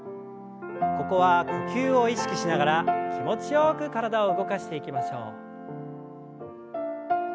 ここは呼吸を意識しながら気持ちよく体を動かしていきましょう。